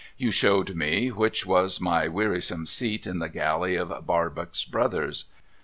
You showed me which was my wearisome seat in the Galley of Barbox Brothers.